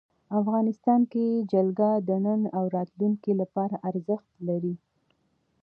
افغانستان کې جلګه د نن او راتلونکي لپاره ارزښت لري.